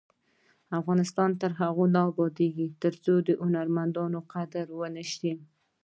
افغانستان تر هغو نه ابادیږي، ترڅو د هنرمندانو قدر ونشي.